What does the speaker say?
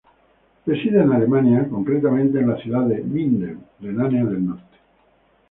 Reside en Alemania, concretamente en la ciudad de Minden, Renania del Norte.